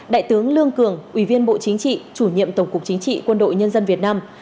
đại tướng lương cường ủy viên bộ chính trị chủ nhiệm tổng cục chính trị quân đội nhân dân việt nam